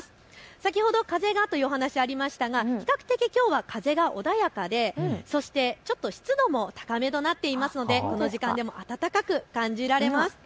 先ほど風がというお話ありましたが比較的きょうは風が穏やかでそしてちょっと湿度も高めとなっていますので、この時間でも暖かく感じられます。